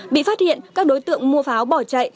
bị phát hiện các đối tượng mua pháo bỏ chạy